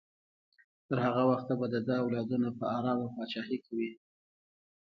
تر هغه وخته به د ده اولادونه په ارامه پاچاهي کوي.